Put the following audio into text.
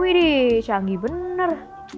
wih dih canggih bener